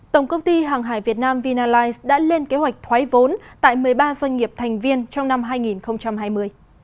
tổng công ty hàng hải việt nam vinalize đã lên kế hoạch thoái vốn tại một mươi ba doanh nghiệp thành viên trong năm hai nghìn hai mươi